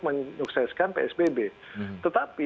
menukseskan psbb tetapi